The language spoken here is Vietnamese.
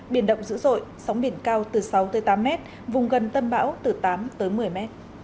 biển động dữ dội sóng biển cao từ sáu tám m vùng gần tâm bão từ tám một mươi m